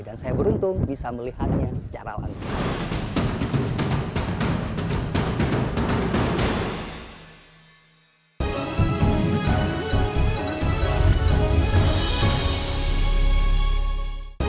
dan saya beruntung bisa melihatnya secara langsung